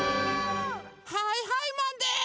はいはいマンです！